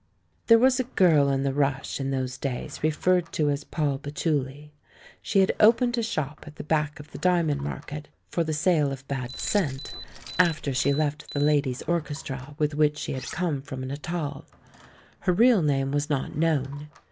There was a girl in the "Rush" in those days referred to as "Poll Patchouli" — she had opened a shop, at the back of the Diamond Market, for the sale of bad scent, after she left the ladies' orchestra, with which she had come from Natal. Her real name was not known.